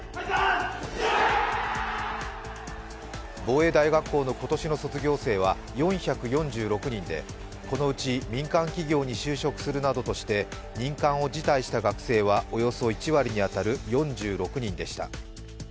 防衛大学校の今年の卒業生は４４６人でこのうち民間企業に就職するなどとして任官を辞退した学生は、およそ１割に当たる４６人でした。